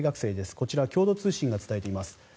こちら共同通信が伝えています。